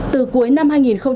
từ cuối năm hai nghìn hai mươi